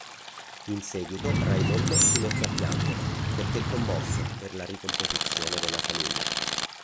In seguito, Raimondo si mette a piangere perché commosso per la ricomposizione della famiglia.